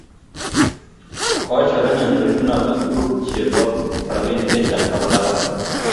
Kochorenan chorindet noto tuguk chuk chebo robinik chechang agolabat